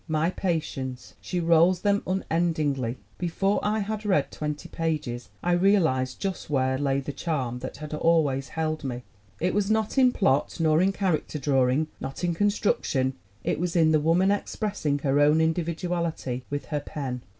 My patience! She rolls them unendingly. Before I had read twenty pages I realized just where lay the charm that had always held me. It was not in plot, nor in char acter drawing, not in construction; it was in the woman expressing her own individuality with her pen.